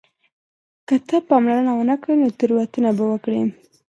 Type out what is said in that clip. که ته پاملرنه ونه کړې نو تېروتنه به وکړې.